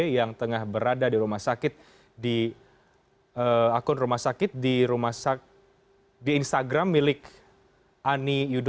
yang tengah berada di rumah sakit di instagram milik ani